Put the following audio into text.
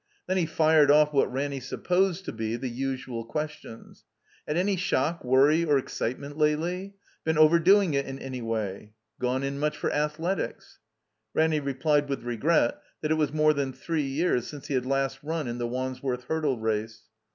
Then he fired off what Ranny supposed to be the usual questions. Had any shock, worry, or excitement lately? "Been overdoing it in any way? Gone in much for athletics?" Ranny replied with regret that it was more than three years since he had last run in the Wandsworth Hurdle Race.